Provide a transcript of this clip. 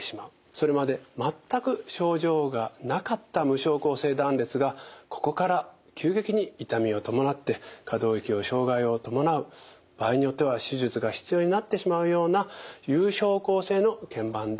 それまで全く症状がなかった無症候性断裂がここから急激に痛みを伴って可動域を障害を伴う場合によっては手術が必要になってしまうような有症候性のけん板断裂になってしまうこともあります。